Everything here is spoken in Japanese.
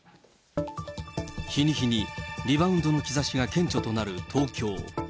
日に日にリバウンドの兆しが顕著となる東京。